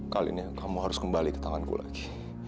kali ini kamu harus kembali ke tanganku lagi